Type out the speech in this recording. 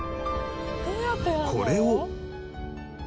これを。